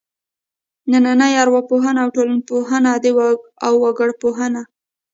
نننۍ ارواپوهنه او ټولنپوهنه او وګړپوهنه.